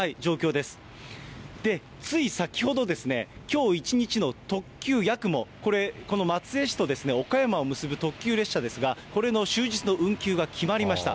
で、つい先ほどですね、きょう一日の特急やくも、これ、この松江市と岡山を結ぶ特急列車ですが、これの終日の運休が決まりました。